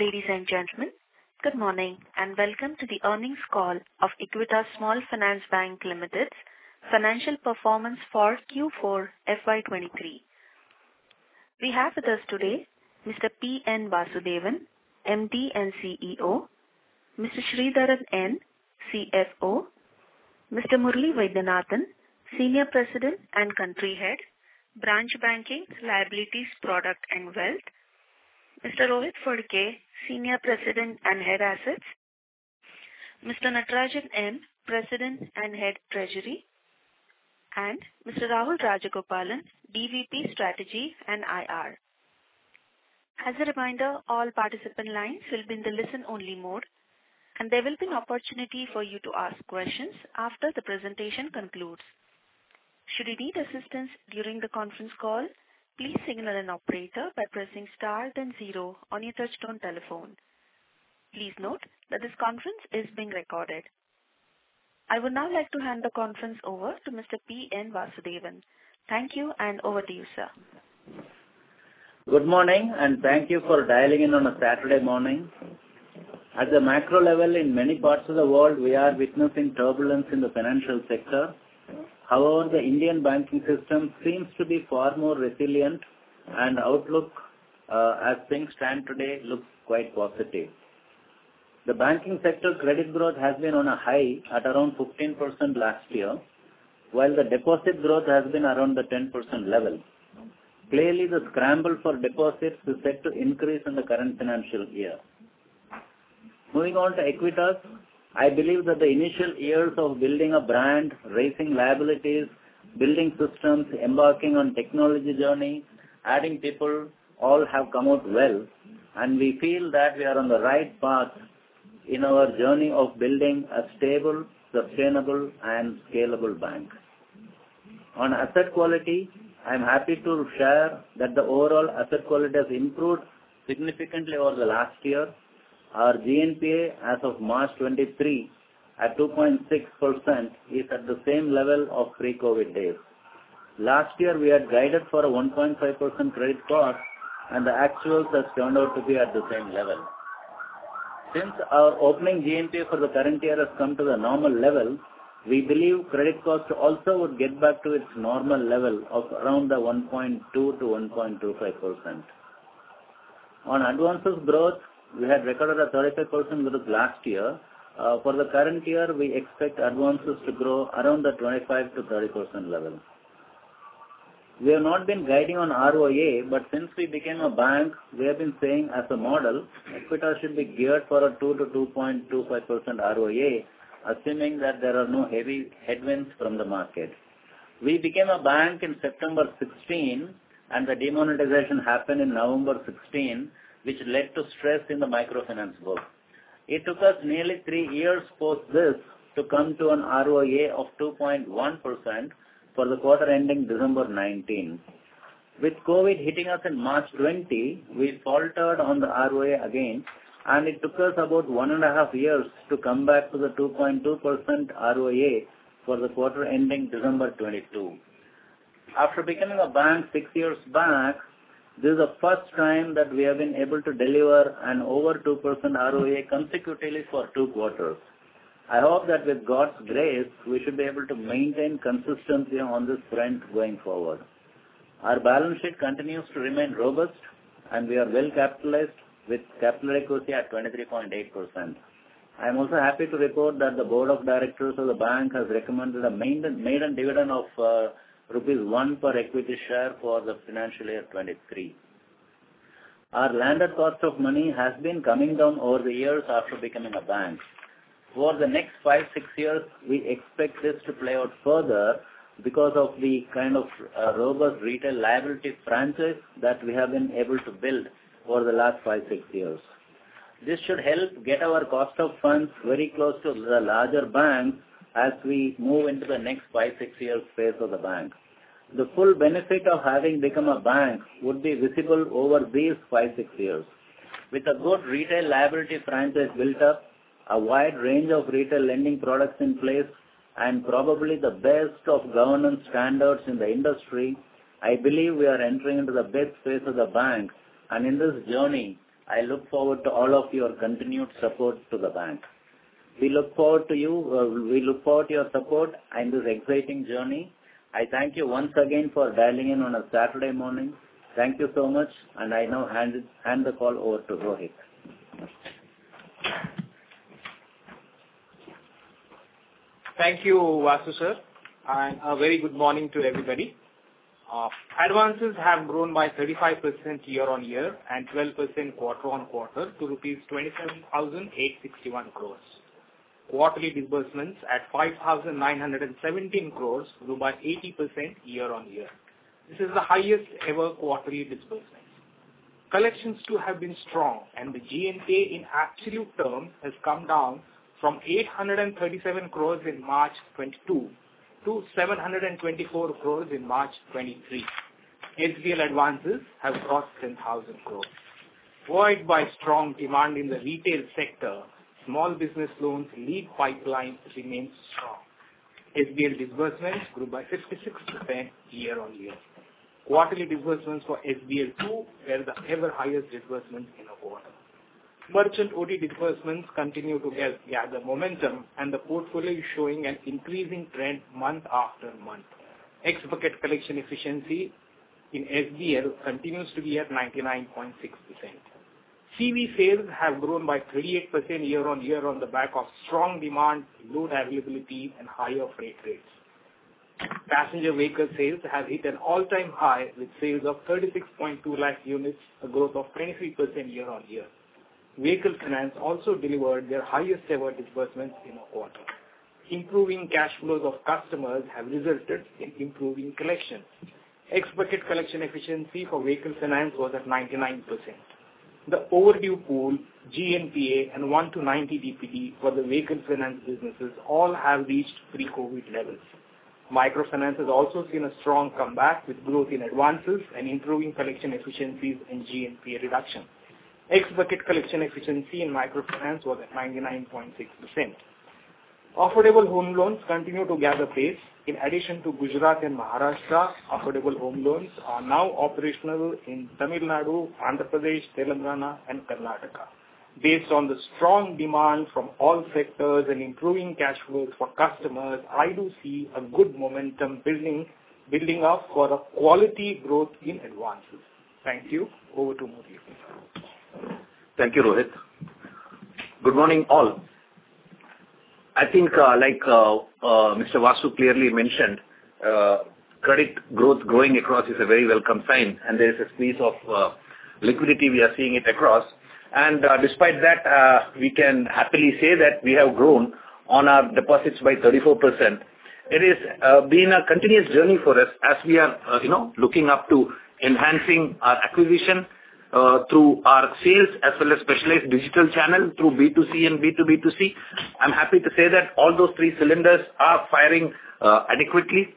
Ladies and gentlemen, good morning, and welcome to the earnings call of Equitas Small Finance Bank Limited's financial performance for Q4 FY 2023. We have with us today Mr. P. N. Vasudevan, MD and CEO, Mr. Sridharan N., CFO, Mr. Murali Vaidyanathan, Senior President and Country Head, Branch Banking, Liabilities, Product, and Wealth, Mr. Rohit Phadke, Senior President and Head, Assets, Mr. Natarajan N., President and Head, Treasury, and Mr. Rahul Rajagopalan, DVP, Strategy and IR. As a reminder, all participant lines will be in the listen-only mode, and there will be an opportunity for you to ask questions after the presentation concludes. Should you need assistance during the conference call, please signal an operator by pressing star then zero on your touchtone telephone. Please note that this conference is being recorded. I would now like to hand the conference over to Mr. P. N. Vasudevan. Thank you, and over to you, sir. Good morning, and thank you for dialing in on a Saturday morning. At the macro level, in many parts of the world, we are witnessing turbulence in the financial sector. However, the Indian banking system seems to be far more resilient, and outlook, as things stand today, looks quite positive. The banking sector credit growth has been on a high at around 15% last year, while the deposit growth has been around the 10% level. Clearly, the scramble for deposits is set to increase in the current financial year. Moving on to Equitas, I believe that the initial years of building a brand, raising liabilities, building systems, embarking on technology journey, adding people, all have come out well, and we feel that we are on the right path in our journey of building a stable, sustainable, and scalable bank. On asset quality, I'm happy to share that the overall asset quality has improved significantly over the last year. Our GNPA as of March 2023, at 2.6%, is at the same level of pre-COVID days. Last year, we had guided for a 1.5% credit cost, and the actuals has turned out to be at the same level. Since our opening GNPA for the current year has come to the normal level, we believe credit cost also would get back to its normal level of around the 1.2%-1.25%. On advances growth, we had recorded a 35% growth last year. For the current year, we expect advances to grow around the 25%-30% level. We have not been guiding on ROA, but since we became a bank, we have been saying as a model, Equitas should be geared for a 2%-2.25% ROA, assuming that there are no heavy headwinds from the market. We became a bank in September 2016, and the demonetization happened in November 2016, which led to stress in the microfinance world. It took us nearly three years post this to come to an ROA of 2.1% for the quarter ending December 2019. With COVID hitting us in March 2020, we faltered on the ROA again, and it took us about one and a half years to come back to the 2.2% ROA for the quarter ending December 2022. After becoming a bank 6 years back, this is the first time that we have been able to deliver an over 2% ROA consecutively for 2 quarters. I hope that with God's grace, we should be able to maintain consistency on this front going forward. Our balance sheet continues to remain robust, and we are well capitalized with capital equity at 23.8%. I am also happy to report that the board of directors of the bank has recommended a maiden dividend of rupees 1 per equity share for the financial year 2023. Our landed cost of money has been coming down over the years after becoming a bank. For the next 5-6 years, we expect this to play out further because of the kind of robust retail liability franchise that we have been able to build over the last 5-6 years. This should help get our cost of funds very close to the larger banks as we move into the next 5-6 year phase of the bank. The full benefit of having become a bank would be visible over these 5-6 years. With a good retail liability franchise built up, a wide range of retail lending products in place, and probably the best of governance standards in the industry, I believe we are entering into the best phase of the bank, and in this journey, I look forward to all of your continued support to the bank. We look forward to your support in this exciting journey. I thank you once again for dialing in on a Saturday morning. Thank you so much, and I now hand the call over to Rohit. Thank you, Vasudevan, sir, and a very good morning to everybody. Advances have grown by 35% year-on-year and 12% quarter-on-quarter to rupees 27,861 crores. Quarterly disbursements at 5,917 crores, grew by 80% year-on-year. This is the highest ever quarterly disbursement. Collections, too, have been strong, and the GNPA, in absolute terms, has come down from 837 crores in March 2022 to 724 crores in March 2023. SBL advances have crossed 10,000 crores. Driven by strong demand in the retail sector, small business loans lead pipeline remains strong. SBL disbursements grew by 56% year-on-year. Quarterly disbursements for SBL too were the highest ever disbursements in a quarter. Merchant OD disbursements continue to gain momentum, and the portfolio is showing an increasing trend month after month. X bucket collection efficiency in SBL continues to be at 99.6%. CV sales have grown by 38% year-on-year on the back of strong demand, load availability, and higher freight rates. Passenger vehicle sales have hit an all-time high, with sales of 36.2 lakh units, a growth of 23% year-on-year. Vehicle finance also delivered their highest ever disbursements in a quarter. Improving cash flows of customers have resulted in improving collections. X bucket collection efficiency for vehicle finance was at 99%. The overdue pool, GNPA, and 1-90 DPD for the vehicle finance businesses all have reached pre-COVID levels. Microfinance has also seen a strong comeback, with growth in advances and improving collection efficiencies and GNPA reduction. X bucket collection efficiency in microfinance was at 99.6%. Affordable Home Loans continue to gather pace. In addition to Gujarat and Maharashtra, Affordable Home Loans are now operational in Tamil Nadu, Andhra Pradesh, Telangana, and Karnataka. Based on the strong demand from all sectors and improving cash flows for customers, I do see a good momentum building, building up for a quality growth in advances. Thank you. Over to Muru. Thank you, Rohit. Good morning, all. I think, like, Mr. Vasudevan clearly mentioned, credit growth growing across is a very welcome sign, and there is a squeeze of liquidity, we are seeing it across. And, despite that, we can happily say that we have grown on our deposits by 34%. It has been a continuous journey for us as we are, you know, looking up to enhancing our acquisition through our sales, as well as specialized digital channel through B2C and B2B2C. I'm happy to say that all those three cylinders are firing adequately,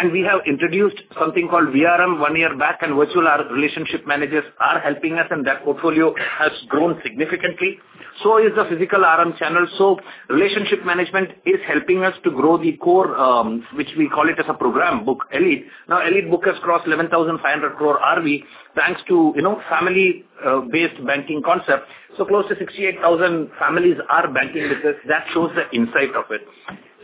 and we have introduced something called VRM one year back, and virtual relationship managers are helping us, and that portfolio has grown significantly. So is the physical RM channel. So relationship management is helping us to grow the core, which we call it as a program book, Elite. Now, Elite book has crossed 11,500 crore RV, thanks to, you know, family based banking concept. So close to 68,000 families are banking with us. That shows the insight of it.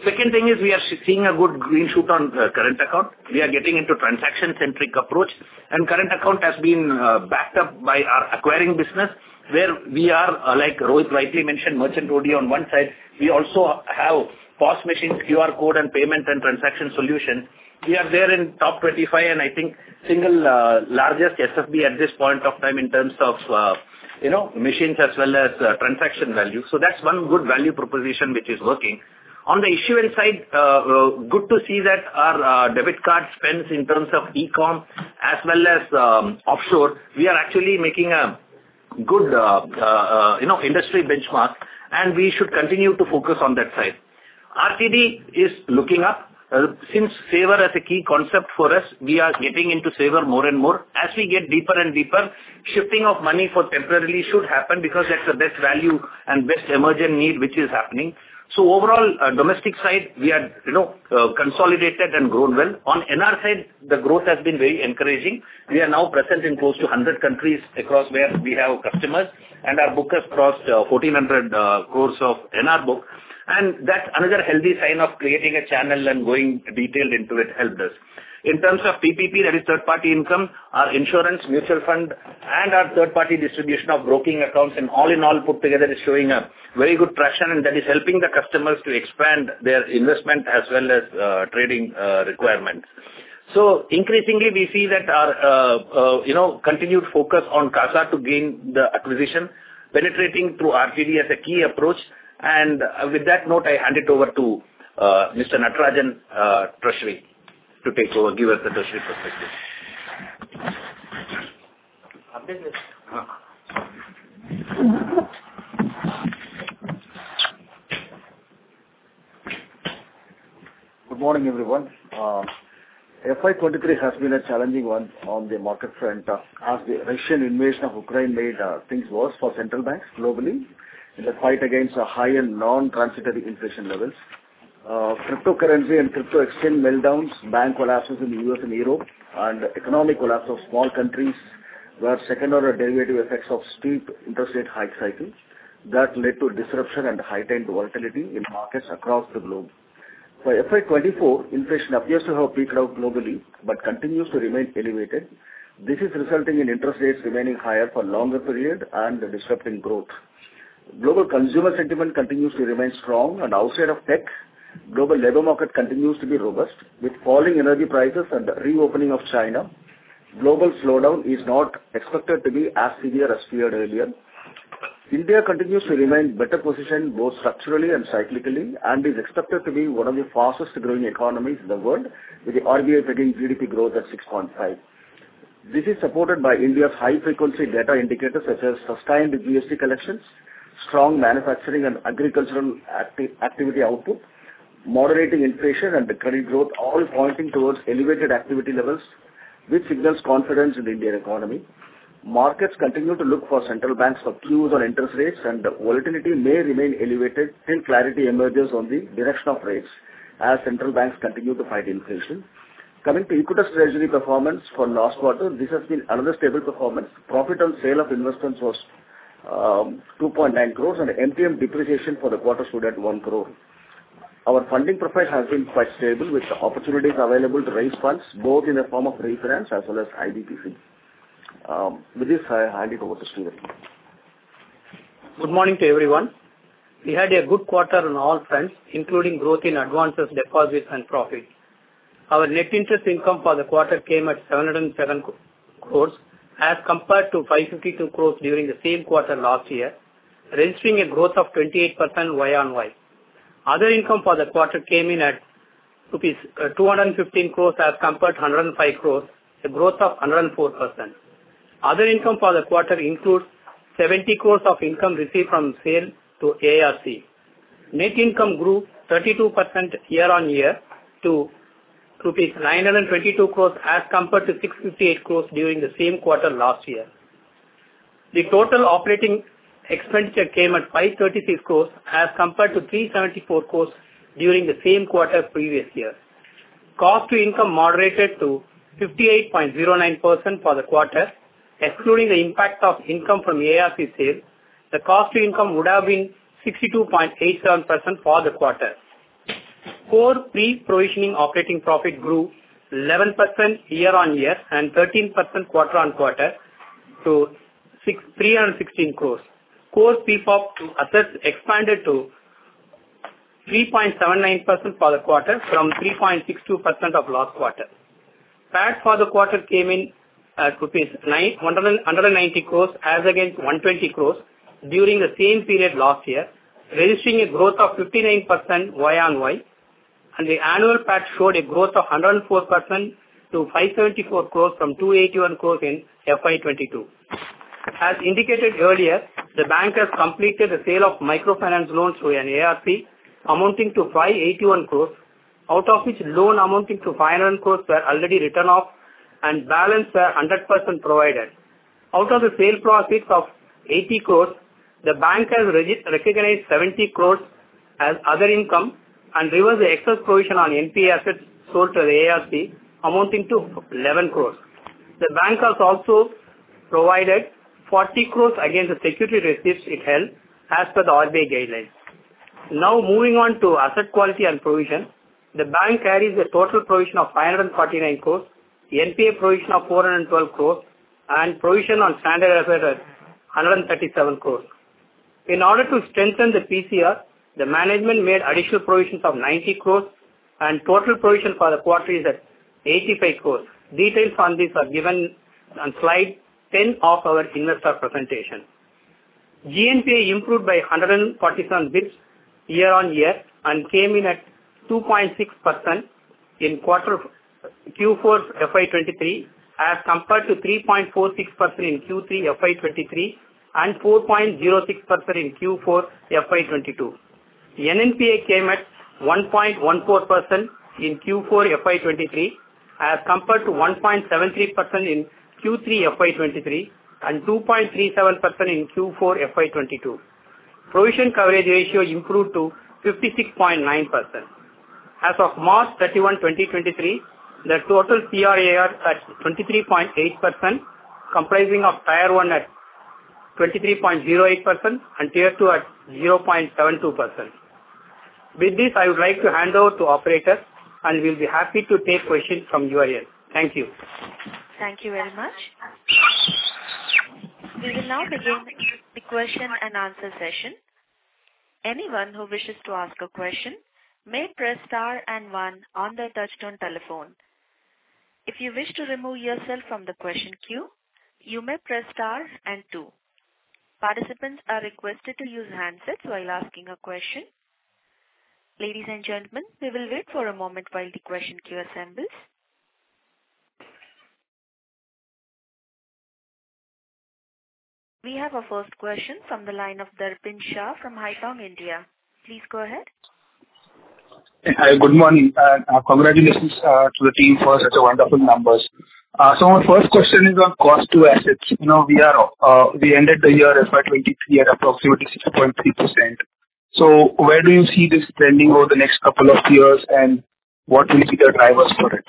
Second thing is we are seeing a good green shoot on current account. We are getting into transaction-centric approach, and current account has been backed up by our acquiring business, where we are, like Rohit rightly mentioned, merchant OD on one side, we also have POS machine, QR code, and payment and transaction solution. We are there in top 25, and I think single largest SFB at this point of time in terms of, you know, machines as well as transaction value. So that's one good value proposition, which is working. On the issuance side, good to see that our debit card spends in terms of e-com as well as offshore. We are actually making a good, you know, industry benchmark, and we should continue to focus on that side. RTD is looking up. Since saver is a key concept for us, we are getting into saver more and more. As we get deeper and deeper, shifting of money for temporarily should happen because that's the best value and best emergent need, which is happening. So overall, domestic side, we are, you know, consolidated and grown well. On NR side, the growth has been very encouraging. We are now present in close to 100 countries across where we have customers, and our book has crossed 1,400 crore of NR book. That's another healthy sign of creating a channel and going detailed into it helped us. In terms of PPP, that is third-party income, our insurance, mutual fund, and our third-party distribution of broking accounts and all in all, put together, is showing a very good traction, and that is helping the customers to expand their investment as well as, trading, requirements. So increasingly, we see that our, you know, continued focus on CASA to gain the acquisition, penetrating through RTD as a key approach. And, with that note, I hand it over to, Mr. Natarajan, treasury, to take over, give us the treasury perspective. Update this. Good morning, everyone. FY 2023 has been a challenging one on the market front, as the Russian invasion of Ukraine made things worse for central banks globally in the fight against a high and non-transitory inflation levels. Cryptocurrency and crypto exchange meltdowns, bank collapses in the U.S. and Europe, and economic collapse of small countries were second-order derivative effects of steep interest rate hike cycles that led to disruption and heightened volatility in markets across the globe. By FY 2024, inflation appears to have peaked out globally, but continues to remain elevated. This is resulting in interest rates remaining higher for longer period and disrupting growth. Global consumer sentiment continues to remain strong, and outside of tech, global labor market continues to be robust. With falling energy prices and the reopening of China, global slowdown is not expected to be as severe as feared earlier. India continues to remain better positioned, both structurally and cyclically, and is expected to be one of the fastest-growing economies in the world, with the RBI predicting GDP growth at 6.5. This is supported by India's high-frequency data indicators, such as sustained GST collections, strong manufacturing and agricultural activity output, moderating inflation and credit growth, all pointing towards elevated activity levels which signals confidence in the Indian economy. Markets continue to look for central banks for clues on interest rates, and the volatility may remain elevated till clarity emerges on the direction of rates as central banks continue to fight inflation. Coming to Equitas Small Finance performance for last quarter, this has been another stable performance. Profit on sale of investments was 2.9 crore, and MTM depreciation for the quarter stood at 1 crore. Our funding profile has been quite stable, with opportunities available to raise funds, both in the form of refinance as well as IBPC. With this, I hand it over to Sridharan. Good morning to everyone. We had a good quarter on all fronts, including growth in advances, deposits, and profit. Our net interest income for the quarter came at 707 crores, as compared to 552 crores during the same quarter last year, registering a growth of 28% Y on Y. Other income for the quarter came in at rupees 215 crores as compared to 105 crores, a growth of 104%. Other income for the quarter includes 70 crores of income received from sale to ARC. Net income grew 32% year on year to rupees 922 crores, as compared to 658 crores during the same quarter last year. The total operating expenditure came at 536 crores, as compared to 374 crores during the same quarter previous year. Cost to income moderated to 58.09% for the quarter. Excluding the impact of income from the ARC sale, the cost to income would have been 62.87% for the quarter. Core pre-provisioning operating profit grew 11% year-over-year and 13% quarter-over-quarter to 631 crore. Core PPOP to assets expanded to 3.79% for the quarter from 3.62% of last quarter. PAT for the quarter came in at 190 crore, as against 120 crore during the same period last year, registering a growth of 59% year-over-year. The annual PAT showed a growth of 104% to 534 crore from 281 crore in FY 2022. As indicated earlier, the bank has completed the sale of microfinance loans to an ARC amounting to 581 crore, out of which loan amounting to 500 crore were already written off and balance were 100% provided. Out of the sale profits of 80 crore, the bank has recognized 70 crore as other income and reversed the excess provision on NPA assets sold to the ARC, amounting to 11 crore. The bank has also provided 40 crore against the security receipts it held as per the RBI guidelines. Now, moving on to asset quality and provision. The bank carries a total provision of 549 crore, NPA provision of 412 crore, and provision on standard asset at 137 crore. In order to strengthen the PCR, the management made additional provisions of 90 crore and total provision for the quarter is at 85 crore. Details on this are given on slide 10 of our investor presentation. GNPA improved by 147 basis points year on year and came in at 2.6% in quarter, Q4 FY 2023, as compared to 3.46% in Q3 FY 2023, and 4.06% in Q4 FY 2022. The NNPA came at 1.14% in Q4 FY 2023, as compared to 1.73% in Q3 FY 2023, and 2.37% in Q4 FY 2022. Provision coverage ratio improved to 56.9%. As of March 31, 2023, the total CRAR at 23.8%, comprising of Tier 1 at 23.08% and Tier 2 at 0.72%. With this, I would like to hand over to operator, and we'll be happy to take questions from your end. Thank you. Thank you very much. We will now begin the question and answer session. Anyone who wishes to ask a question may press star and one on their touchtone telephone. If you wish to remove yourself from the question queue, you may press star and two. Participants are requested to use handsets while asking a question. Ladies and gentlemen, we will wait for a moment while the question queue assembles. We have our first question from the line of Darpan Shah from ICICI India. Please go ahead. Hi, good morning, and congratulations to the team for such a wonderful numbers. So my first question is on cost to assets. You know, we ended the year FY 2023 at approximately 6.3%. So where do you see this trending over the next couple of years, and what will be the drivers for it?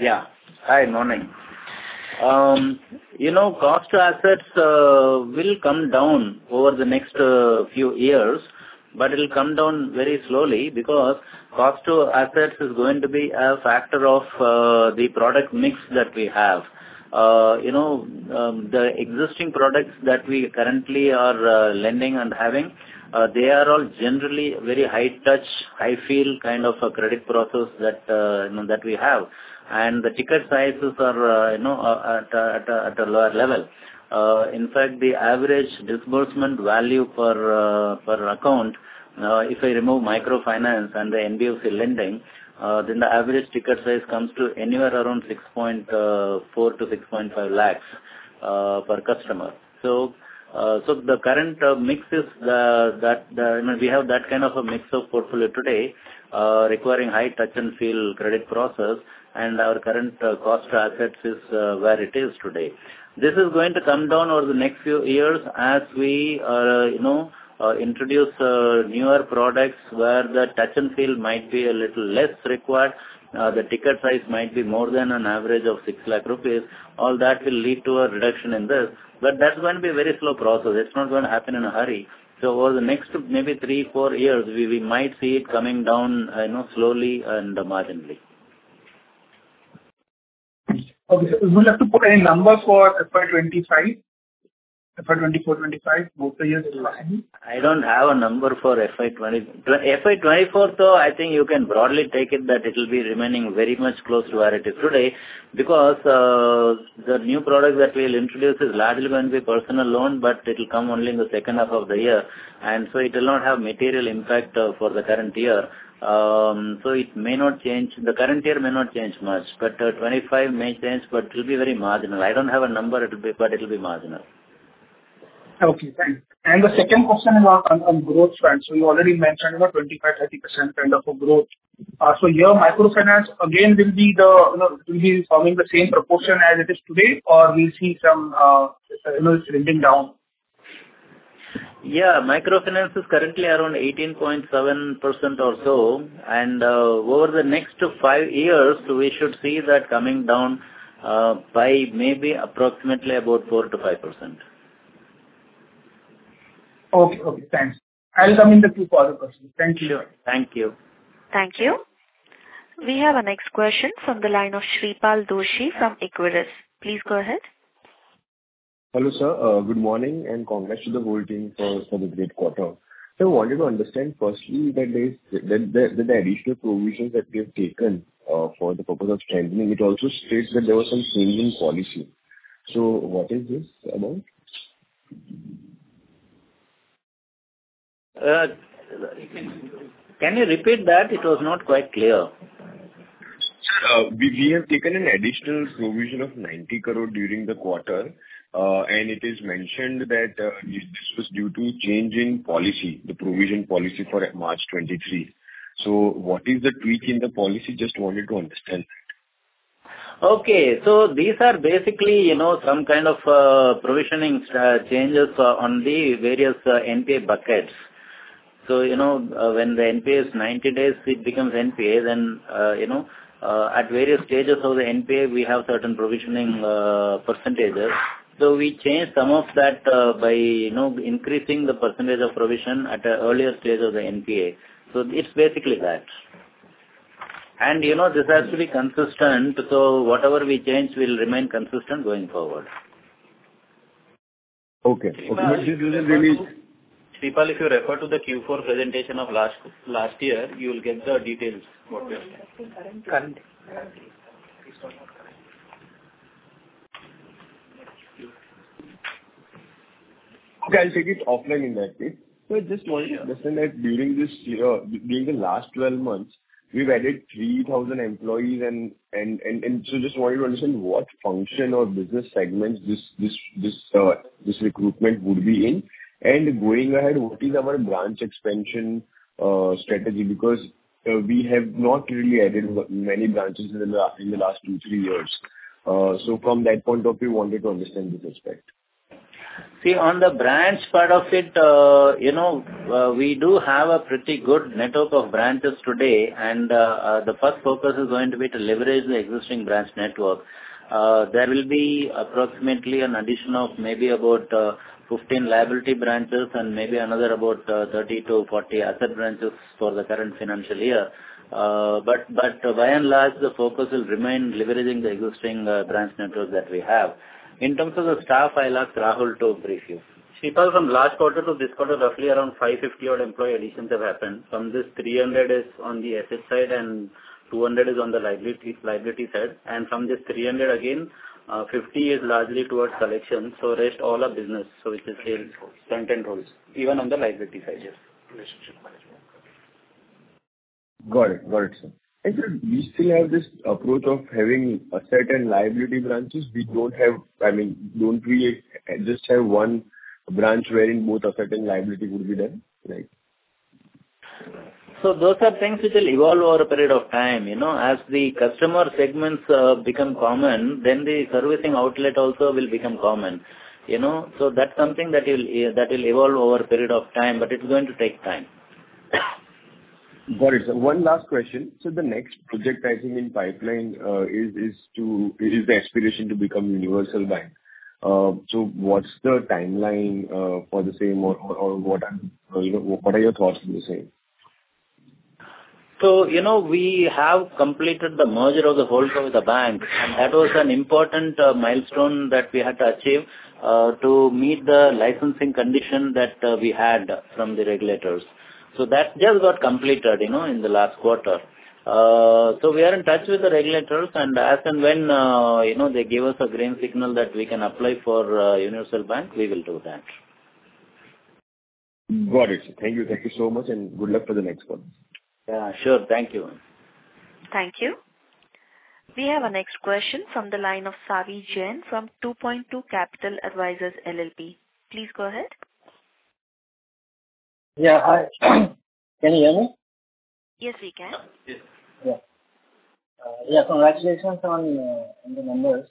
Yeah. Hi, morning. You know, cost to assets will come down over the next few years, but it'll come down very slowly because cost to assets is going to be a factor of the product mix that we have. You know, the existing products that we currently are lending and having, they are all generally very high touch, high feel, kind of a credit process that you know, that we have. And the ticket sizes are you know, at a lower level. In fact, the average disbursement value per account, if I remove microfinance and the NBFC lending, then the average ticket size comes to anywhere around 6.4 lakhs-6.5 lakhs per customer. So, the current mix is that we have that kind of a mix of portfolio today, requiring high touch and feel credit process, and our current cost to assets is where it is today. This is going to come down over the next few years as we, you know, introduce newer products, where the touch and feel might be a little less required, the ticket size might be more than an average of 6 lakh rupees. All that will lead to a reduction in this, but that's going to be a very slow process. It's not going to happen in a hurry. So over the next maybe 3-4 years, we might see it coming down, you know, slowly and marginally. Okay. Would you be able to put any numbers for FY 2025, FY 2024, 2025, both the years will run? I don't have a number for FY twenty... FY 2024, so I think you can broadly take it that it'll be remaining very much close to where it is today, because, the new product that we'll introduce is largely going to be personal loan, but it'll come only in the second half of the year, and so it will not have material impact, for the current year. So it may not change. The current year may not change much, but, 2025 may change, but it will be very marginal. I don't have a number it'll be, but it'll be marginal. Okay, thanks. The second question is on growth trends. So you already mentioned about 25%-30% kind of a growth. So here microfinance again will be the, you know, will be following the same proportion as it is today, or we'll see some, you know, shrinking down? Yeah, microfinance is currently around 18.7% or so, and over the next 5 years, we should see that coming down by maybe approximately about 4%-5%. Okay. Okay, thanks. I'll come in the queue for other questions. Thank you. Thank you. Thank you. We have our next question from the line of Shreepal Doshi from Equirus. Please go ahead. Hello, sir. Good morning, and congrats to the whole team for the great quarter. So I wanted to understand firstly, that the additional provisions that we have taken for the purpose of strengthening. It also states that there was some change in policy. So what is this about? Can you repeat that? It was not quite clear. We have taken an additional provision of 90 crore during the quarter, and it is mentioned that this was due to change in policy, the provision policy for March 2023. So what is the tweak in the policy? Just wanted to understand. Okay. So these are basically, you know, some kind of provisioning changes on the various NPA buckets. So, you know, when the NPA is 90 days, it becomes NPA, then, you know, at various stages of the NPA, we have certain provisioning percentages. So we changed some of that by, you know, increasing the percentage of provision at an earlier stage of the NPA. So it's basically that. And, you know, this has to be consistent, so whatever we change will remain consistent going forward. Okay. Shreepal, if you refer to the Q4 presentation of last, last year, you will get the details for this. Okay, I'll take it offline in that case. So I just wanted to understand that during this year, during the last 12 months, we've added 3,000 employees and so just wanted to understand what function or business segments this recruitment would be in. And going ahead, what is our branch expansion strategy? Because we have not really added many branches in the last 2-3 years. So from that point of view, wanted to understand this aspect. See, on the branch part of it, you know, we do have a pretty good network of branches today, and the first focus is going to be to leverage the existing branch network. There will be approximately an addition of maybe about 15 liability branches and maybe another about 30-40 asset branches for the current financial year. But by and large, the focus will remain leveraging the existing branch network that we have. In terms of the staff, I'll ask Rahul to brief you. Shreepal, from last quarter to this quarter, roughly around 550 odd employee additions have happened. From this, 300 is on the asset side and 200 is on the liability, liability side. And from this 300, again, 50 is largely towards collection, so rest all are business. So it's the sales front-end roles, even on the liability side. Yes, relationship management. Got it. Got it, sir. And sir, do you still have this approach of having asset and liability branches? We don't have... I mean, don't we just have one branch wherein both asset and liability would be there, right? So those are things which will evolve over a period of time, you know. As the customer segments become common, then the servicing outlet also will become common, you know? So that's something that will, that will evolve over a period of time, but it's going to take time. Got it. One last question: So the next project I see in pipeline is the aspiration to become a universal bank. So what's the timeline for the same, or what are, you know, what are your thoughts on the same? So, you know, we have completed the merger of the whole of the bank, and that was an important milestone that we had to achieve to meet the licensing condition that we had from the regulators. So that just got completed, you know, in the last quarter. So we are in touch with the regulators, and as and when, you know, they give us a green signal that we can apply for a universal bank, we will do that. Got it. Thank you. Thank you so much, and good luck for the next one. Yeah, sure. Thank you. Thank you. We have our next question from the line of Savi Jain from 2Point2 Capital Advisors LLP. Please go ahead. Yeah, hi. Can you hear me? Yes, we can. Yes. Yeah. Yeah, congratulations on the numbers.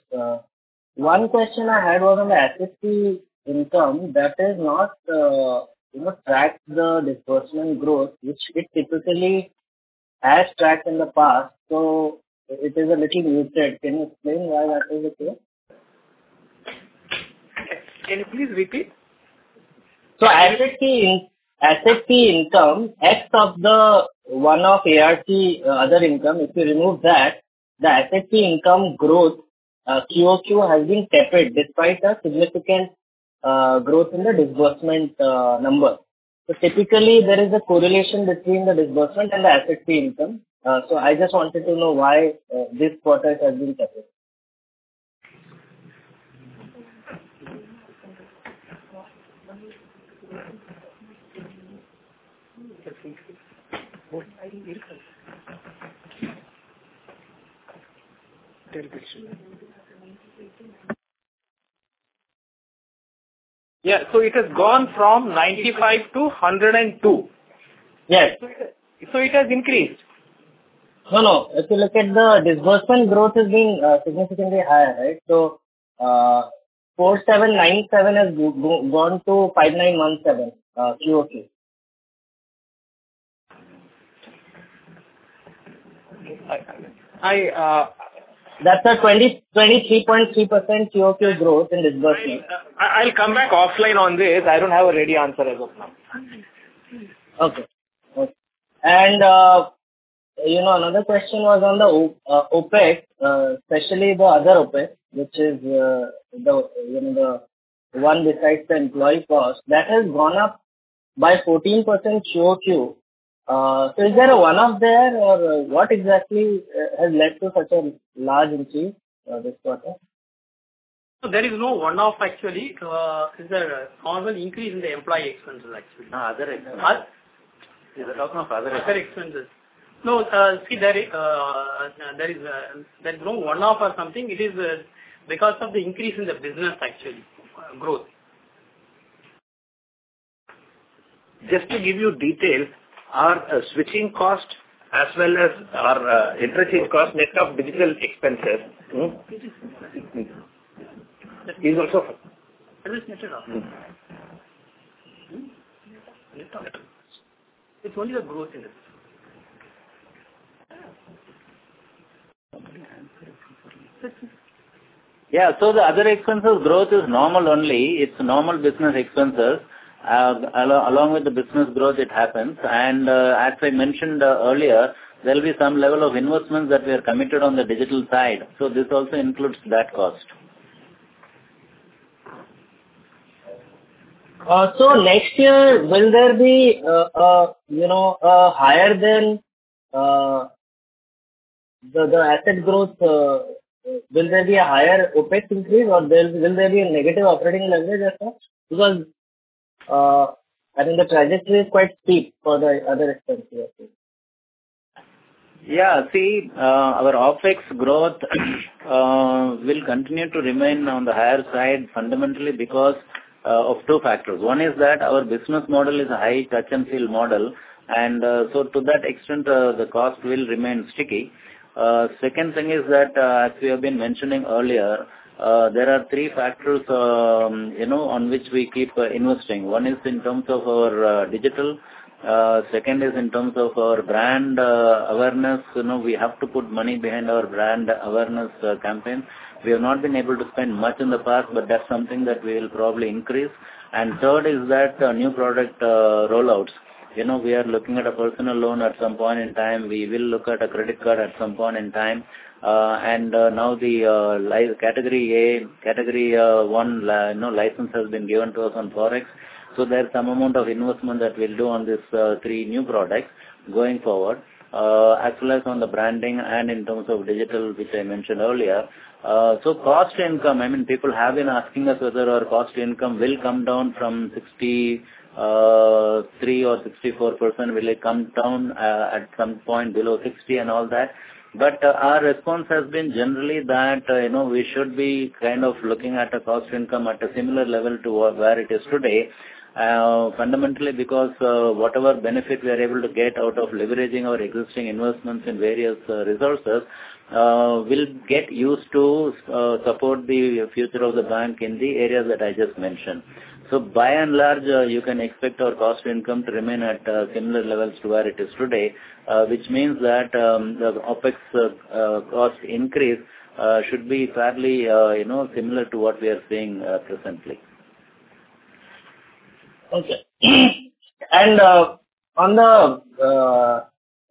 One question I had was on the asset fee income. That is not, you know, track the disbursement growth, which it typically has tracked in the past, so it is a little weird said. Can you explain why that is the case? Can you please repeat? So asset fee income, ex of the one-off ARC, other income, if you remove that, the asset fee income growth, QOQ, has been tepid, despite a significant growth in the disbursement number. So typically, there is a correlation between the disbursement and the asset fee income. So I just wanted to know why this quarter has been tepid. Yeah. So it has gone from 95 to 102. Yes. It has increased. No, no. If you look at the disbursement growth is being significantly higher, right? So, 4,797 has gone to 5,917, QoQ. I, uh- That's a 23.3% QoQ growth in disbursement. I'll come back offline on this. I don't have a ready answer as of now. Okay. Okay. And, you know, another question was on the OpEx, especially the other OpEx, which is the one besides the employee cost, that has gone up by 14% QoQ. So is there a one-off there, or what exactly has led to such a large increase this quarter? There is no one-off, actually. It's a normal increase in the employee expenses, actually. Ah, other expenses. Huh? We're talking of other expenses. Other expenses. No, see, there is no one-off or something. It is because of the increase in the business, actually, growth. Just to give you detail, our switching cost as well as our interchange cost make up digital expenses. Is also... It is measured off. It's only the growth it is. Yeah. So the other expenses growth is normal only, it's normal business expenses. Along with the business growth, it happens. And as I mentioned earlier, there will be some level of investments that we are committed on the digital side, so this also includes that cost. So, next year, will there be, you know, the asset growth? Will there be a higher OpEx increase, or will there be a negative operating leverage as well? Because I think the trajectory is quite steep for the other expenses. Yeah. See, our OpEx growth will continue to remain on the higher side, fundamentally because of two factors. One is that our business model is a high touch and feel model, and so to that extent, the cost will remain sticky. Second thing is that, as we have been mentioning earlier, there are three factors, you know, on which we keep investing. One is in terms of our digital. Second is in terms of our brand awareness. You know, we have to put money behind our brand awareness campaign. We have not been able to spend much in the past, but that's something that we will probably increase. And third is that new product rollouts. You know, we are looking at a personal loan at some point in time. We will look at a credit card at some point in time. Now the Category A, category one, you know, license has been given to us on Forex. So there's some amount of investment that we'll do on this, 3 new products going forward, as well as on the branding and in terms of digital, which I mentioned earlier. So cost income, I mean, people have been asking us whether our cost income will come down from 63 or 64%, will it come down at some point below 60% and all that. But our response has been generally that, you know, we should be kind of looking at a cost income at a similar level to where it is today. Fundamentally, because whatever benefit we are able to get out of leveraging our existing investments in various resources will get used to support the future of the bank in the areas that I just mentioned. So by and large, you can expect our cost income to remain at similar levels to where it is today, which means that the OpEx cost increase should be fairly, you know, similar to what we are seeing presently. Okay. On the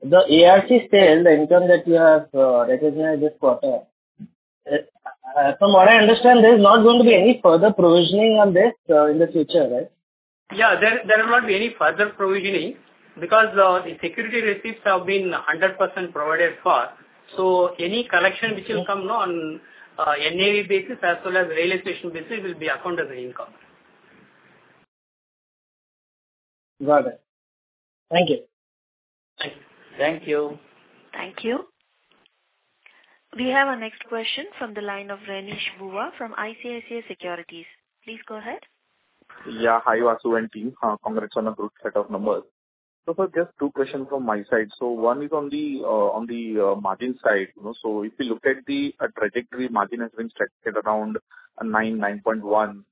ARC sale, the income that you have recognized this quarter, from what I understand, there is not going to be any further provisioning on this in the future, right? Yeah, there will not be any further provisioning. Because the security receipts have been 100% provided for, so any collection which will come on NAV basis as well as realization basis will be accounted as income. Got it. Thank you. Thank you. Thank you. We have our next question from the line of Renish Bhuva from ICICI Securities. Please go ahead. Yeah. Hi, Vasudevan and team. Congrats on a good set of numbers. So first, just two questions from my side. So one is on the margin side, you know. So if you look at the trajectory, margin has been structured around 9, 9.1,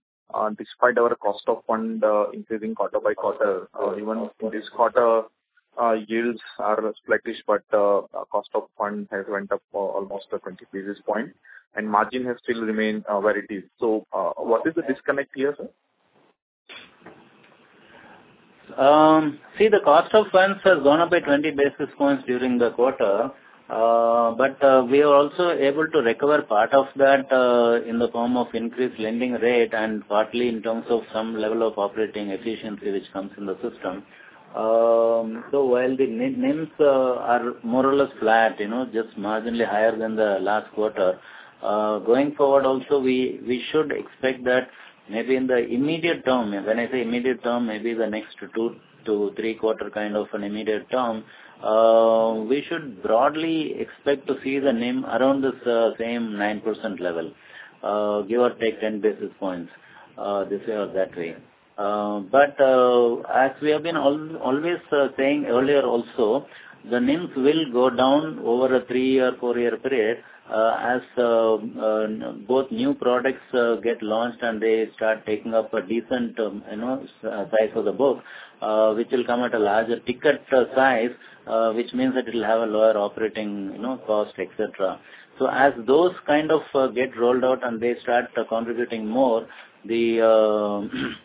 despite our cost of fund increasing quarter by quarter. Even this quarter, yields are sluggish, but cost of fund has went up for almost a 20 basis point, and margin has still remained where it is. So, what is the disconnect here, sir? See, the cost of funds has gone up by 20 basis points during the quarter, but we are also able to recover part of that, in the form of increased lending rate and partly in terms of some level of operating efficiency, which comes in the system. So while the NIMs are more or less flat, you know, just marginally higher than the last quarter, going forward, also we, we should expect that maybe in the immediate term, when I say immediate term, maybe the next 2 to 3 quarters kind of an immediate term, we should broadly expect to see the NIM around this, same 9% level, give or take 10 basis points, this way or that way. But as we have been always saying earlier also, the NIMs will go down over a three- or four-year period, as both new products get launched and they start taking up a decent, you know, size of the book, which will come at a larger ticket size, which means that it will have a lower operating, you know, cost, etc. So as those kind of get rolled out and they start contributing more, the NIMs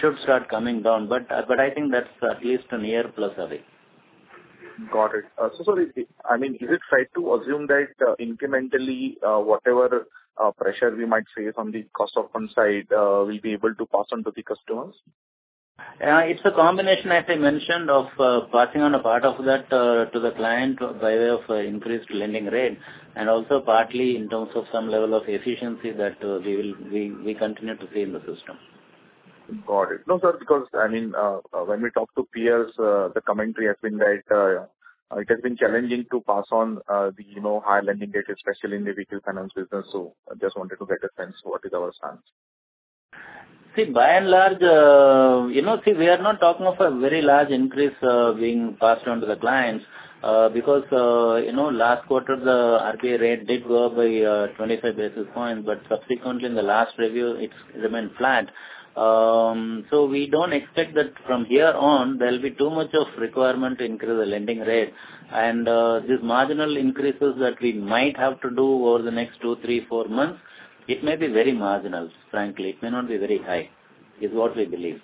should start coming down, but I think that's at least a year plus away. Got it. So sorry, I mean, is it right to assume that, incrementally, whatever pressure we might face on the OpEx side, we'll be able to pass on to the customers? It's a combination, as I mentioned, of passing on a part of that to the client by way of increased lending rates, and also partly in terms of some level of efficiency that we continue to see in the system. Got it. No, sir, because, I mean, when we talk to peers, the commentary has been that it has been challenging to pass on the, you know, high lending data, especially in the vehicle finance business. So I just wanted to get a sense what is our stance. See, by and large, you know, see, we are not talking of a very large increase being passed on to the clients, because, you know, last quarter, the RPA rate did go up by 25 basis points, but subsequently, in the last review, it's remained flat. So we don't expect that from here on, there will be too much of requirement to increase the lending rate. And these marginal increases that we might have to do over the next 2, 3, 4 months, it may be very marginal, frankly. It may not be very high, is what we believe.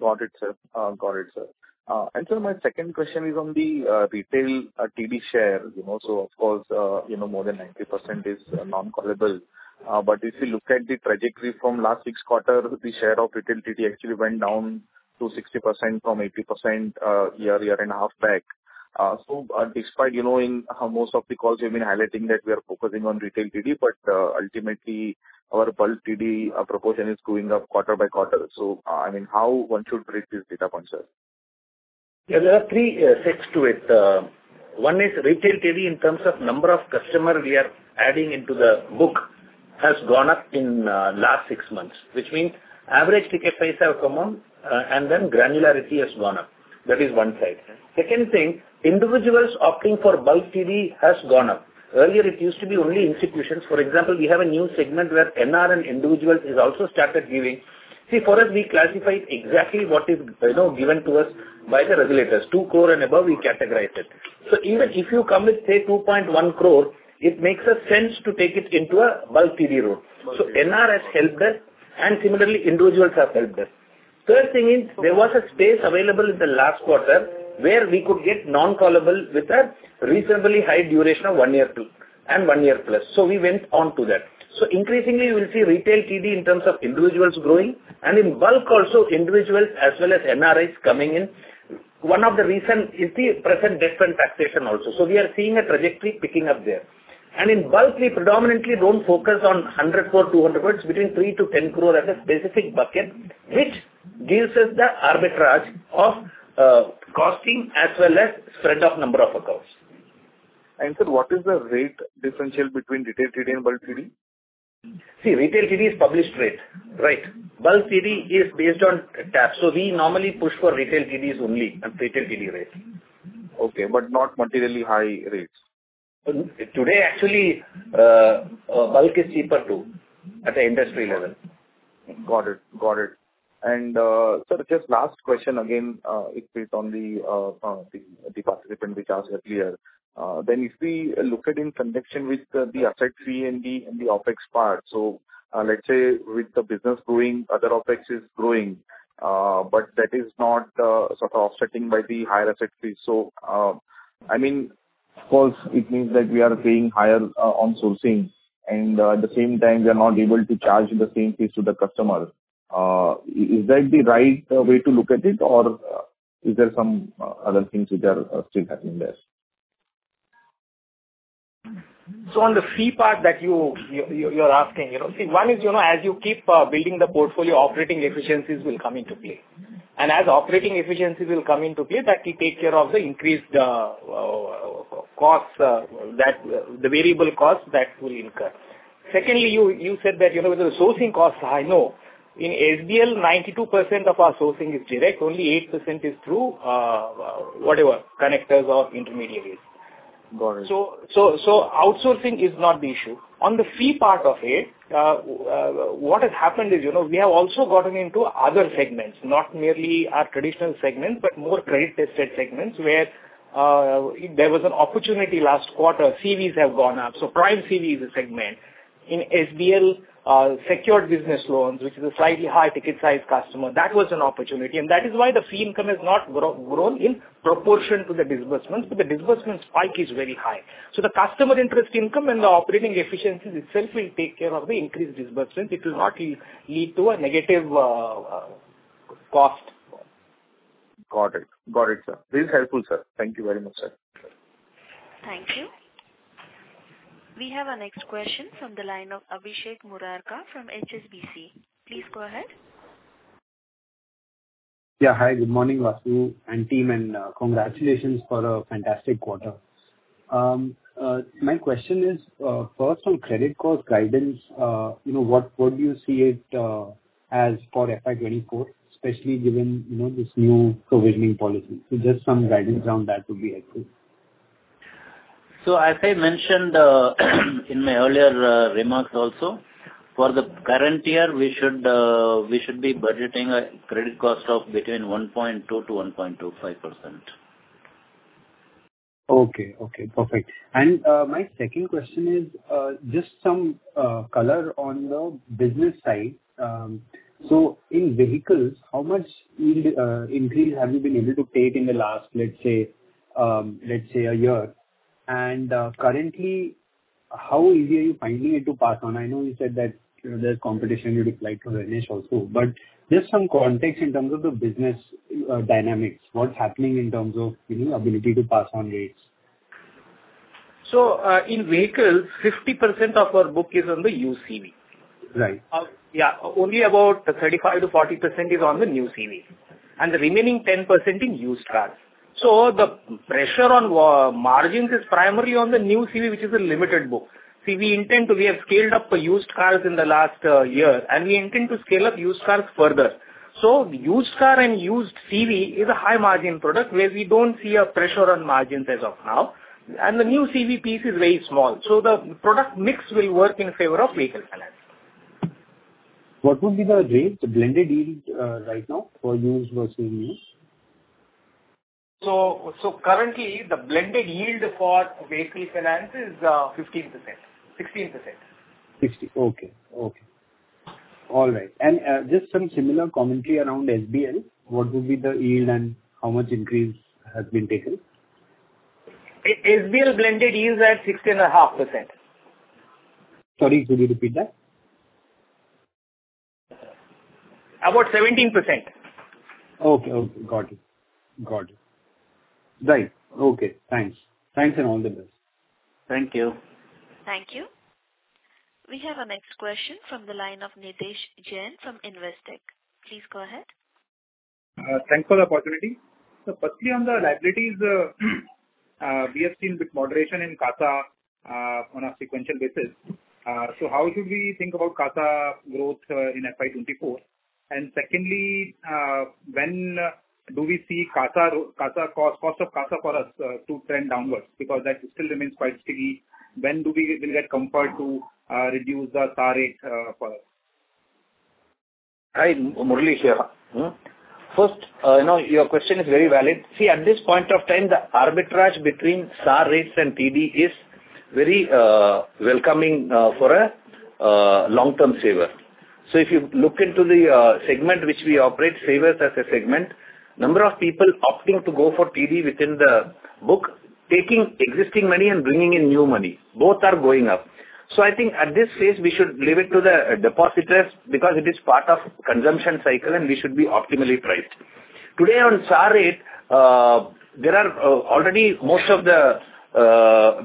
Got it, sir. Got it, sir. And so my second question is on the retail TD share. You know, so of course, you know, more than 90% is non-collectible. But if you look at the trajectory from last six quarter, the share of retail TD actually went down to 60% from 80%, year and a half back. So, despite, you know, in most of the calls, we've been highlighting that we are focusing on retail TD, but ultimately, our bulk TD proportion is going up quarter by quarter. So, I mean, how one should read these data points, sir? There are three sides to it. One is retail TD, in terms of number of customer we are adding into the book, has gone up in last six months, which means average ticket price have come on, and then granularity has gone up. That is one side. Second thing, individuals opting for bulk TD has gone up. Earlier, it used to be only institutions. For example, we have a new segment where NRN individual is also started giving. See, for us, we classify exactly what is, you know, given to us by the regulators. 2 crore and above, we categorize it. So even if you come with, say, 2.1 crore, it makes a sense to take it into a bulk TD route. Got it. So NRN has helped us, and similarly, individuals have helped us. Third thing is, there was a space available in the last quarter where we could get non-callable with a reasonably high duration of 1 year, 2... and 1 year plus. So we went on to that. So increasingly, you will see retail TD in terms of individuals growing, and in bulk also, individuals as well as NRIs coming in. One of the reason is the present different taxation also. So we are seeing a trajectory picking up there. And in bulk, we predominantly don't focus on 100 crore, 200 crores, between 3-10 crore at a specific bucket, which gives us the arbitrage of, costing as well as spread of number of accounts. Sir, what is the rate differential between retail TD and bulk TD? See, retail TD is published rate, right? Bulk TD is based on tap. So we normally push for retail TDs only and retail TD rates. Okay, but not materially high rates. Today, actually, bulk is cheaper, too, at the industry level. Got it. Got it. And, so just last question again, it is on the, the participant which asked earlier. Then if we look at in connection with the, the asset fee and the, and the OpEx part, so, let's say with the business growing, other OpEx is growing, but that is not, sort of offsetting by the higher asset fees. So, I mean of course, it means that we are paying higher on sourcing, and at the same time, we are not able to charge the same fees to the customer. Is that the right way to look at it, or is there some other things which are still happening there? So on the fee part that you're asking, you know. See, one is, you know, as you keep building the portfolio, operating efficiencies will come into play. And as operating efficiencies will come into play, that will take care of the increased cost that the variable cost that will incur. Secondly, you said that, you know, the sourcing costs. I know. In SBL, 92% of our sourcing is direct, only 8% is through whatever, connectors or intermediaries. Got it. Outsourcing is not the issue. On the fee part of it, what has happened is, you know, we have also gotten into other segments, not merely our traditional segments, but more credit-tested segments, where there was an opportunity last quarter. CVs have gone up, so prime CV is a segment. In SBL, secured business loans, which is a slightly high ticket size customer, that was an opportunity, and that is why the fee income has not grown in proportion to the disbursements, but the disbursement spike is very high. So the customer interest income and the operating efficiencies itself will take care of the increased disbursements. It will not lead to a negative cost. Got it. Got it, sir. Very helpful, sir. Thank you very much, sir. Thank you. We have our next question from the line of Abhishek Murarka from HSBC. Please go ahead. Yeah. Hi, good morning, Vasu and team, and, congratulations for a fantastic quarter. My question is, first on credit cost guidance, you know, what, what do you see it, as for FY 2024, especially given, you know, this new provisioning policy? So just some guidance around that would be helpful. As I mentioned in my earlier remarks also, for the current year, we should be budgeting a credit cost of between 1.2-1.25%. Okay. Okay, perfect. And my second question is just some color on the business side. So in vehicles, how much yield increase have you been able to take in the last, let's say, let's say a year? And currently, how easy are you finding it to pass on? I know you said that, you know, there's competition, you replied to Renish also. But just some context in terms of the business dynamics, what's happening in terms of, you know, ability to pass on rates? In vehicles, 50% of our book is on the used CV. Right. Yeah, only about 35%-40% is on the new CV, and the remaining 10% in used cars. So the pressure on margins is primarily on the new CV, which is a limited book. See, we intend to... We have scaled up used cars in the last year, and we intend to scale up used cars further. So used car and used CV is a high-margin product, where we don't see a pressure on margins as of now, and the new CV piece is very small. So the product mix will work in favor of vehicle finance. What would be the rate, the blended yield, right now, for used versus new? So, currently, the blended yield for vehicle finance is 15%-16%. 16, okay. Okay. All right. And, just some similar commentary around SBL. What would be the yield and how much increase has been taken? E-SBL blended yield is at 16.5%. Sorry, could you repeat that? About 17%. Okay, okay, got it. Got it. Right. Okay, thanks. Thanks, and all the best. Thank you. Thank you. We have our next question from the line of Nidhesh Jain from Investec. Please go ahead. Thanks for the opportunity. Firstly, on the liabilities, we have seen bit moderation in CASA, on a sequential basis. So how should we think about CASA growth, in FY 24? And secondly, when do we see CASA cost, cost of CASA for us, to trend downwards? Because that still remains quite sticky. When do we get comfort to reduce the SAR rate, for us? Hi, Murali here. First, you know, your question is very valid. See, at this point of time, the arbitrage between SAR rates and TD is very welcoming for a long-term saver. So if you look into the segment which we operate, savers as a segment, number of people opting to go for TD within the book, taking existing money and bringing in new money, both are going up. So I think at this phase, we should leave it to the depositors, because it is part of consumption cycle, and we should be optimally priced. Today, on SAR rate, there are already most of the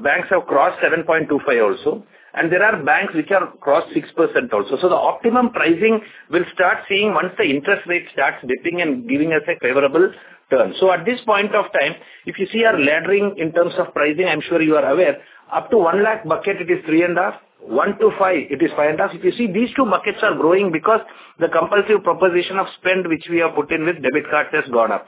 banks have crossed 7.25 also, and there are banks which have crossed 6% also. So the optimum pricing we'll start seeing once the interest rate starts dipping and giving us a favorable turn. So at this point of time, if you see our layering in terms of pricing, I'm sure you are aware, up to 1 lakh bucket, it is 3.5, 1-5, it is 5.5. If you see, these two buckets are growing because the compulsive proposition of spend, which we have put in with debit card, has gone up.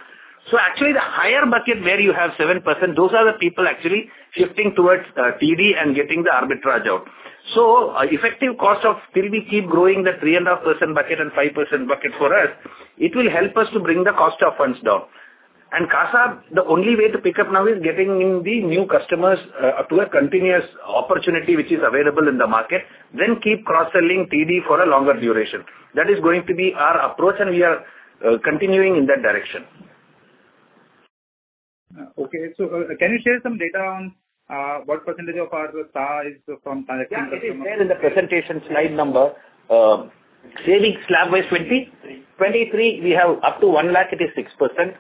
So actually, the higher bucket where you have 7%, those are the people actually shifting towards TD and getting the arbitrage out. So effective cost of till we keep growing the 3.5% bucket and 5% bucket for us, it will help us to bring the cost of funds down. CASA, the only way to pick up now is getting in the new customers to a continuous opportunity which is available in the market, then keep cross-selling TD for a longer duration. That is going to be our approach, and we are continuing in that direction. ... Okay. Can you share some data on what percentage of our SBL is from current customers? Yeah, it is there in the presentation slide number, savings slab by 20? Three. 23, we have up to 1 lakh, it is 6%.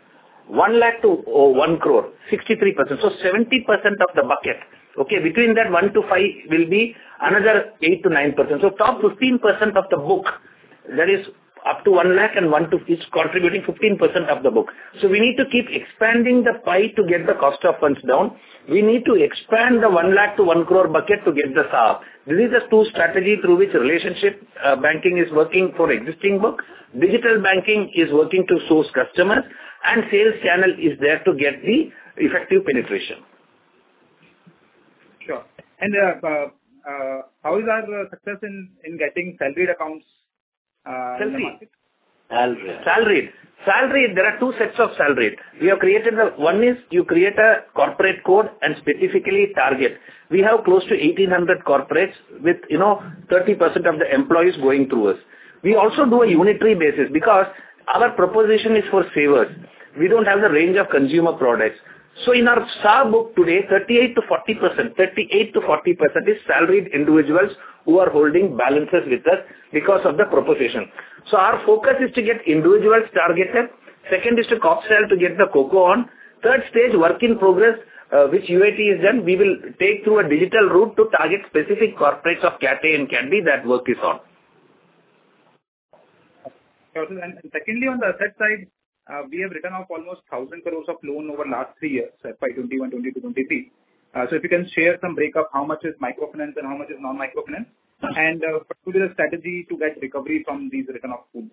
1 lakh to 1 crore, 63%. So 70% of the bucket, okay, between that 1 to 5 will be another 8%-9%. So top 15% of the book, that is up to 1 lakh and 1 to is contributing 15% of the book. So we need to keep expanding the pie to get the cost of funds down. We need to expand the 1 lakh to 1 crore bucket to get the SAH. This is the two strategy through which relationship banking is working for existing books. Digital banking is working to source customers, and sales channel is there to get the effective penetration. Sure. How is our success in getting salaried accounts in the market? Salaried. Salaried. Salaried. Salaried, there are two sets of salaried. We have created the... One is you create a corporate code and specifically target. We have close to 1,800 corporates with, you know, 30% of the employees going through us. We also do a unitary basis because our proposition is for savers. We don't have the range of consumer products. So in our star book today, 38%-40%, 38%-40% is salaried individuals who are holding balances with us because of the proposition. So our focus is to get individuals targeted. Second is to cross-sell, to get the CASA on. Third stage, work in progress, which UAT is done. We will take through a digital route to target specific corporates of CA and CD. That work is on. Secondly, on the asset side, we have written off almost 1,000 crore of loan over the last 3 years, by 2021, 2022, 2023. So if you can share some breakdown, how much is microfinance and how much is non-microfinance? What is the strategy to get recovery from these written-off pools?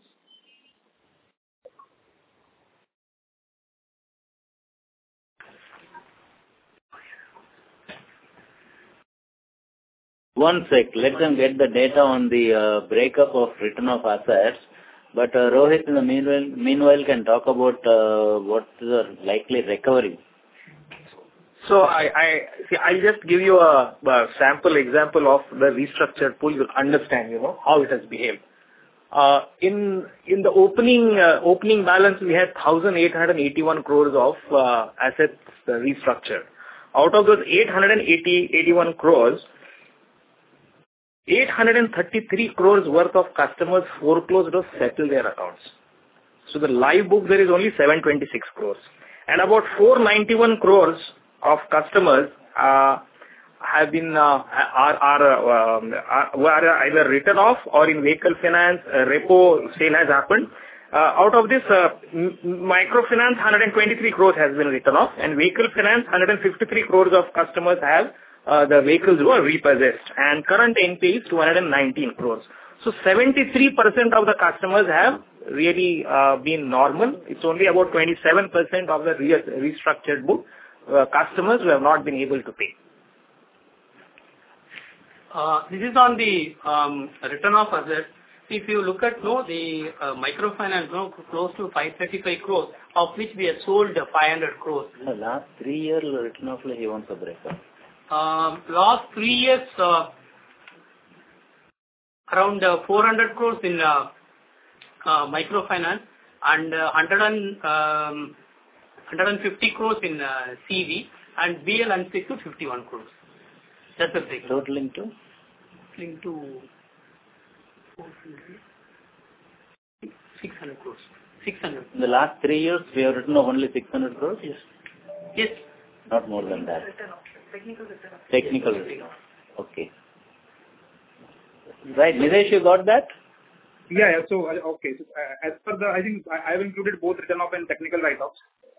One sec, let them get the data on the breakup of written-off assets. But, Rohit, in the meanwhile, meanwhile, can talk about what is our likely recovery. So, see, I'll just give you a sample example of the restructured pool. You'll understand, you know, how it has behaved. In the opening balance, we had 1,881 crores of assets restructured. Out of those 881 crores, 833 crores worth of customers foreclosed or settled their accounts. So the live book there is only 726 crores, and about 491 crores of customers have been, are, were either written off or in vehicle finance, repossession has happened. Out of this, microfinance, 123 crores has been written off, and vehicle finance, 153 crores of customers have, the vehicles were repossessed, and current NPA is 219 crores. 73% of the customers have really been normal. It's only about 27% of the restructured book customers who have not been able to pay. This is on the written off assets. If you look at, you know, the microfinance loan, close to 535 crores, of which we have sold 500 crores. Last three years written off, he wants a breakup. Last three years, around 400 crore in microfinance and 150 crore in CV and BL and 60-51 crore. That's the breakup. Total into? Into 400-600 crores. Six hundred. In the last three years, we have written off only 600 crore? Yes. Yes. Not more than that. Technical write-off. Technical write-off. Okay. Right, Nilesh, you got that? Yeah, yeah. So, okay. As per the... I think I have included both written-off and technical write-offs.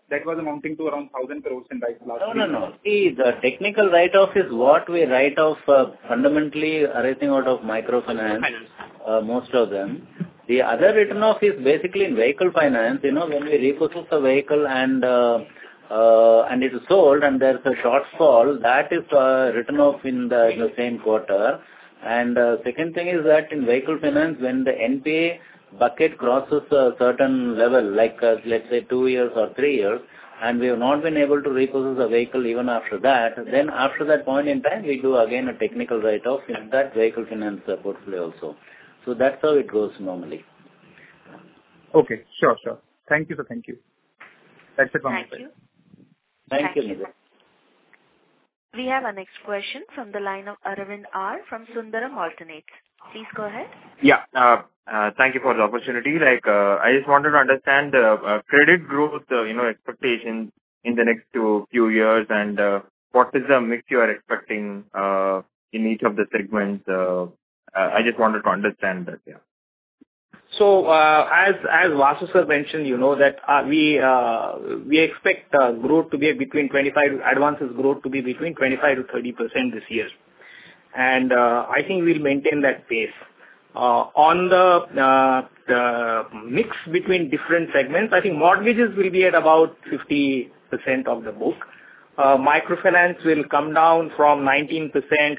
That was amounting to around 1,000 crore in last- No, no, no. The technical write-off is what we write off, fundamentally arising out of microfinance- Finance. Most of them. The other written off is basically in vehicle finance. You know, when we repossess the vehicle and, and it is sold and there's a shortfall, that is, written off in the, in the same quarter. And, second thing is that in vehicle finance, when the NPA bucket crosses a certain level, like, let's say two years or three years, and we have not been able to repossess the vehicle even after that, then after that point in time, we do again a technical write-off in that vehicle finance, portfolio also. So that's how it goes normally. Okay. Sure. Sure. Thank you, sir. Thank you. That's it from my side. Thank you. Thank you, Nidhesh. We have our next question from the line of Aravind R. from Sundaram Alternates. Please go ahead. Yeah, thank you for the opportunity. Like, I just wanted to understand the credit growth, you know, expectation in the next two, few years, and what is the mix you are expecting in each of the segments? I just wanted to understand that, yeah. So, as Vasu sir mentioned, you know, that we expect growth to be between 25... Advances growth to be between 25%-30% this year. And I think we'll maintain that pace. On the mix between different segments, I think mortgages will be at about 50% of the book. Microfinance will come down from 19%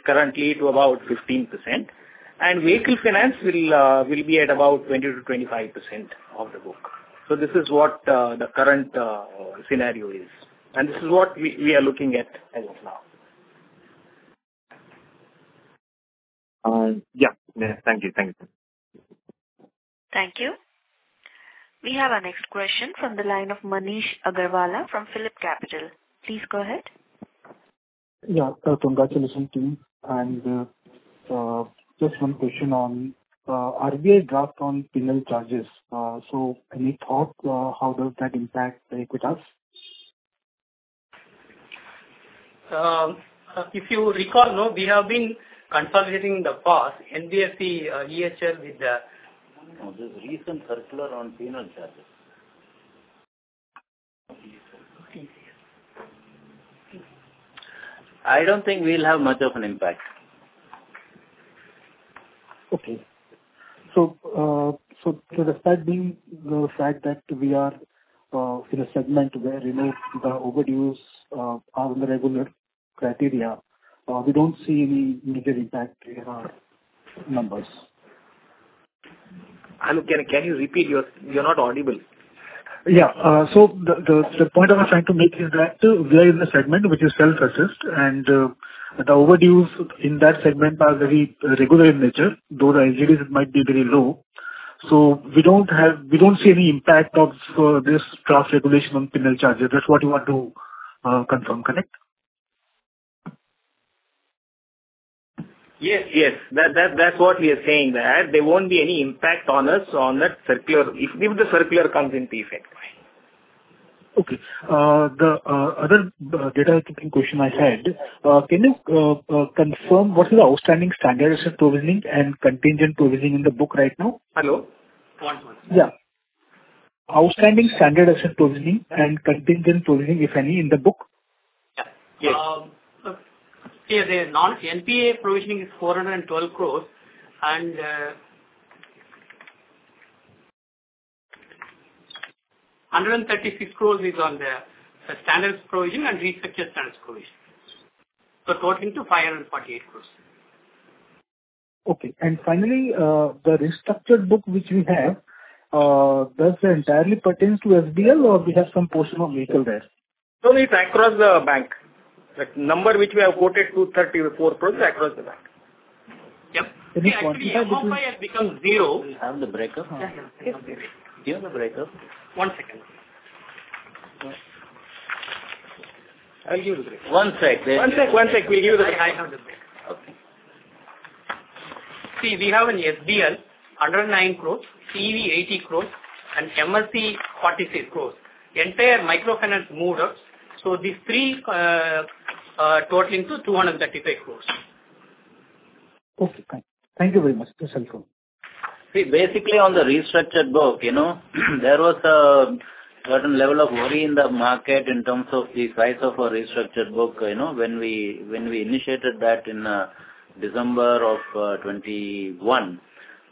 currently to about 15%, and vehicle finance will be at about 20%-25% of the book. So this is what the current scenario is, and this is what we are looking at as of now.... Yeah. Yeah, thank you. Thank you. Thank you. We have our next question from the line of Manish Agarwalla from PhillipCapital. Please go ahead. Yeah, congratulations, team. Just one question on RBI draft on penal charges. So any thought how does that impact Equitas? If you recall, no, we have been consolidating the past NBFC, EHL with the- No, the recent circular on penal charges. I don't think we'll have much of an impact. Okay. So, so despite being the fact that we are, in a segment where, you know, the overdues, are on the regular criteria, we don't see any negative impact in our numbers. Hello, can you repeat your...? You're not audible. Yeah. So the point I was trying to make is that we are in a segment which is self-assessed, and the overdues in that segment are very regular in nature, though the NPs might be very low. So we don't have-- we don't see any impact of this draft regulation on penal charges. That's what you want to confirm, correct? Yes. That's what we are saying, that there won't be any impact on us on that circular, if the circular comes into effect. Okay. The other data-keeping question I had, can you confirm what is the outstanding standard asset provisioning and contingent provisioning in the book right now? Hello? One more time. Yeah. Outstanding standard asset provisioning and contingent provisioning, if any, in the book? Yeah. Yes. Yeah, the non-NPA provisioning is INR 412 crore and 136 crore is on the standard provision and restructured standard provision. So totaling to 548 crore. Okay. And finally, the restructured book which you have, does that entirely pertains to SBL or we have some portion of retail there? No, it's across the bank. The number which we have quoted, 234 crore, is across the bank. Yep. Actually, how high it becomes zero. Do you have the breakup? Yeah, yeah. Do you have the breakup? One second. I'll give you the breakup. One sec. One sec, one sec. We'll give you the... I have the breakup. Okay. See, we have in SBL, 109 crores, CE, 80 crores, and MLC, 46 crores. Entire microfinance, MUDRA. So these three, totaling to 235 crores. Okay, thank you. Thank you very much. That's helpful. See, basically on the restructured book, you know, there was a certain level of worry in the market in terms of the size of our restructured book, you know, when we, when we initiated that in December of 2021.